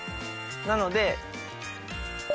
なので。